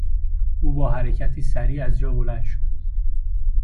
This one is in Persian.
او با حرکتی سریع از جا بلند شد.